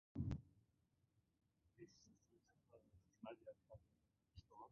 ingragan, noligan notavonlardan chinakamiga voz kechishdan boshlanadi.